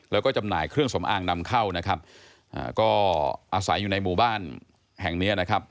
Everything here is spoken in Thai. แล้วก็จำหน่ายเครื่องสำอางนำเข้านะครับอ่าก็อาศัยอยู่ในหมู่บ้านแห่งเนี้ยนะครับ